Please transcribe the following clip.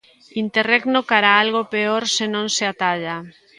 Interregno cara a algo peor, se non se atalla.